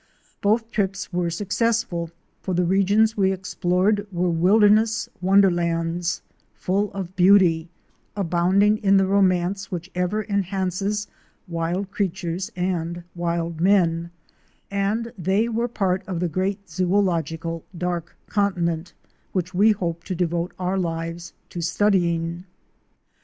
Both trips were successful; for the regions we explored were wilderness wonderlands, — full of beauty, abounding in the romance which ever en hances wild creatures and wild men, and they were part of the great zodlogical "' dark continent '' which we hope to devote our lives to studying.